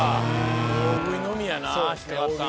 大食いのみやな。